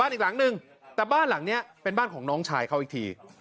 อีกหลังนึงแต่บ้านหลังนี้เป็นบ้านของน้องชายเขาอีกที